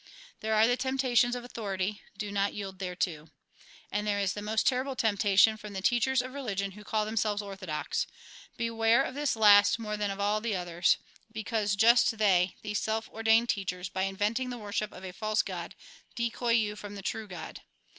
There are the temptations of authority ; do not yield thereto. And there is the most terrible temptation, from the teachers of religion who call themselves orthodox. Beware of this last more than of all others ; because just they, these self ordained teachers, by inventing the worship of a false God, decoy you from the true God.